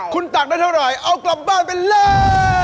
คุณตักได้เท่าไหร่เอากลับบ้านไปเลย